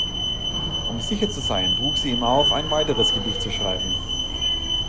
Um sicher zu sein, trug sie ihm auf, ein weiteres Gedicht zu schreiben.